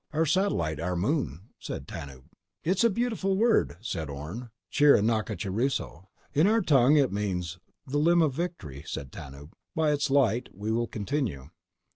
"Our satellite ... our moon," said Tanub. "It's a beautiful word," said Orne. "Chiranachuruso." "In our tongue it means: The Limb of Victory," said Tanub. "By its light we will continue."